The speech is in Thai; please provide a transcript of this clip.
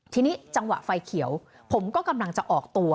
ทีนี้จังหวะไฟเขียวผมก็กำลังจะออกตัว